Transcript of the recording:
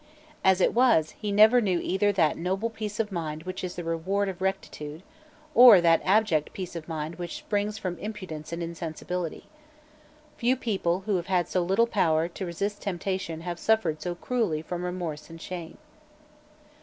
As it was, he never knew either that noble peace of mind which is the reward of rectitude, or that abject peace of mind which springs from impudence and insensibility. Few people who have had so little power to resist temptation have suffered so cruelly from remorse and shame.